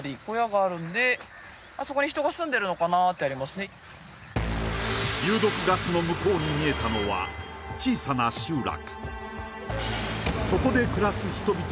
しかし有毒ガスの向こうに見えたのは、小さな集落。